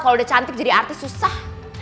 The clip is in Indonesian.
kalau udah cantik jadi artis susah